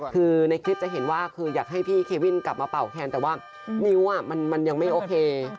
คือในคลิปจะเห็นว่าคืออยากให้พี่เควินกลับมาเป่าแคนแต่ว่านิ้วมันยังไม่โอเค